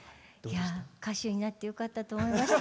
歌手になってよかったと思いました。